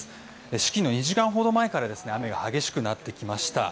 式の２時間ほど前から雨が激しくなってきました。